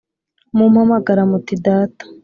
mumpamagara muti Data